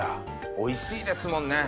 おいしいですもんね。